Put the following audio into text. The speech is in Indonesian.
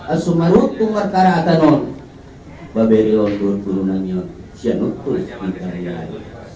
asumarut tunggak karatanon baberi ondur pununamion syanutus dikaryari